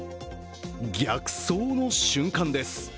逆走の瞬間です。